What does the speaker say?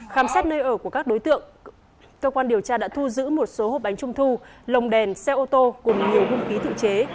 khám xét nơi ở của các đối tượng cơ quan điều tra đã thu giữ một số hộp bánh trung thu lồng đèn xe ô tô cùng nhiều hung khí tự chế